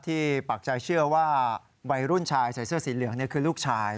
ปักใจเชื่อว่าวัยรุ่นชายใส่เสื้อสีเหลืองคือลูกชาย